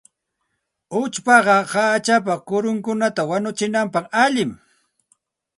Uchpaqa hachapa kurunkunata wanuchinapaq allinmi.